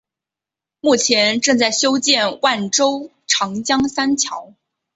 目前正在修建万州长江三桥。